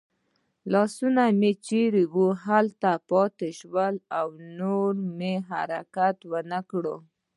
لاسونه مې چېرې وو همالته پاتې شول او نور مې حرکت ور نه کړ.